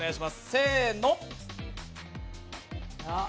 せーの。